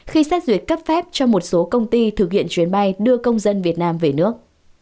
khi xét duyệt cấp phép cho một số công ty thực hiện chuyến bay đưa công dân việt nam về nước